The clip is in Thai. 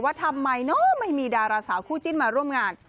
ว่าทำไมเนอะไม่มีดาราสาวคู่จิ้นมาร่วมงาน